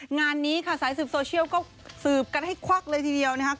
งานนี้ค่ะสายสืบโซเชียลก็สืบกันให้ควักเลยทีเดียวนะครับ